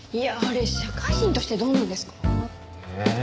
社会人としてどうなんですか？